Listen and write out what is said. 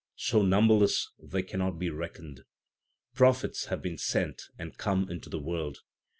So numberless they cannot be reckoned. Prophets have been sent and come into the world.